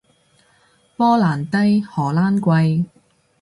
波蘭低，荷蘭貴